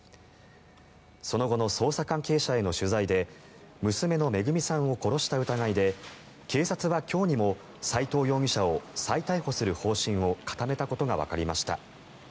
その後の捜査関係者への取材で娘の恵さんを殺した疑いで警察は今日にも斎藤容疑者を再逮捕する方針を固めたことがわかりました。